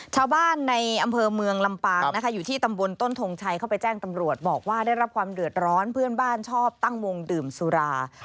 ชาวบ้านในอำเภอเมืองลำปางนะคะอยู่ที่ตำบลต้นทงชัยเข้าไปแจ้งตำรวจบอกว่าได้รับความเดือดร้อนเพื่อนบ้านชอบตั้งวงดื่มสุรา